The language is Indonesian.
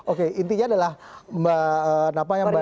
oke intinya adalah mbak apa ya mbak